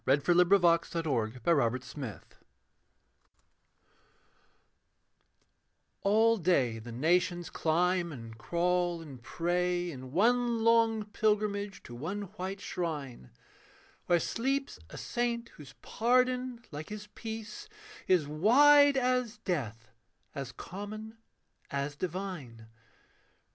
And she gave me both her hands. A MAN AND HIS IMAGE All day the nations climb and crawl and pray In one long pilgrimage to one white shrine, Where sleeps a saint whose pardon, like his peace, Is wide as death, as common, as divine.